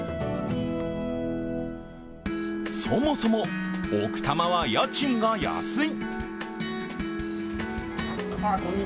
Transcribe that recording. そもそも奥多摩は家賃が安い。